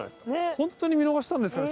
本当に見逃したんですかね？